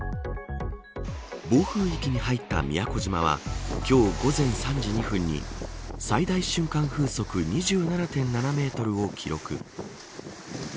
暴風域に入った宮古島は今日、午前３時２分に最大瞬間風速２７．７メートルを記録。